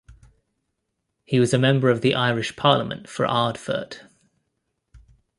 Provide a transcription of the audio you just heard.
He was a member of the Irish Parliament for Ardfert.